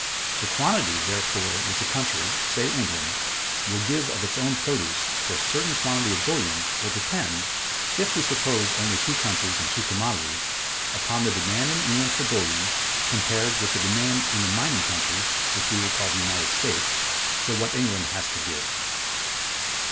The quantity, therefore, which a country (say England) will give of its own produce, for a certain quantity of bullion, will depend, if we suppose only two countries and two commodities, upon the demand in England for bullion, compared with the demand in the mining country (which we will call the United States(272)) for what England has to give.